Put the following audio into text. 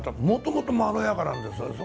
もともとまろやかなんです。